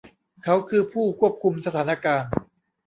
เขาคือผู้ควบคุมสถานการณ์